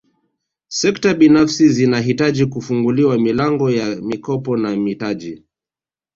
Sekta binafsi zinahitaji kufunguliwa milango ya mikopo na mitaji